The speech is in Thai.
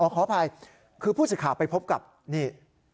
ขออภัยคือผู้สื่อข่าวไปพบกับนี่